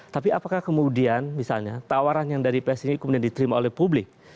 tapi apakah kemudian misalnya tawaran yang dari ps ini kemudian diterima oleh publik